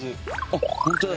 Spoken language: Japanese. あっ本当だ。